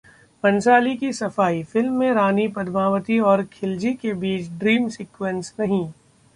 भंसाली की सफाई- फिल्म में रानी पद्मावती और खिलजी के बीच ड्रीम सीक्वेंस नहीं